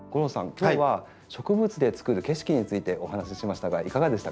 今日は植物でつくる景色についてお話ししましたがいかがでした？